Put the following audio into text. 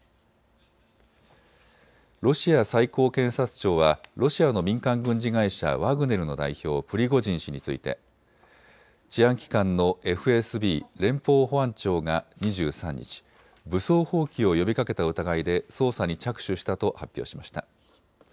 ロシア最高検察庁はロシアの民間軍事会社、ワグネルの代表、プリゴジン氏について治安機関のＦＳＢ・連邦保安庁が２３日、武装蜂起を呼びかけた疑いで捜査に着手したと発表しました。